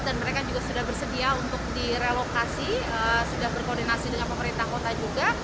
mereka juga sudah bersedia untuk direlokasi sudah berkoordinasi dengan pemerintah kota juga